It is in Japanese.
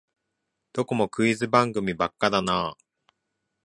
どこもクイズ番組ばっかだなあ